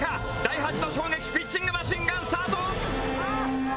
第８の衝撃ピッチングマシンガンスタート！